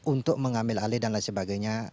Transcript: untuk mengambil alih dan lain sebagainya